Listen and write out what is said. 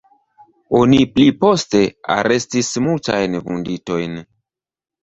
Oni pli poste arestis multajn vunditojn.